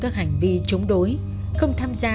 các hành vi chống đối không tham gia